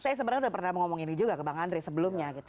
saya sebenarnya sudah pernah mengomong ini juga ke bang andri sebelumnya